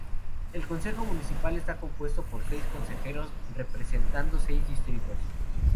El consejo municipal está compuesto por seis consejeros representando seis distritos.